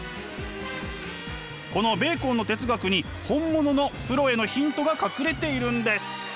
このベーコンの哲学に本物のプロへのヒントが隠れているんです。